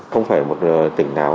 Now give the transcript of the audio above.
không phải một tỉnh nào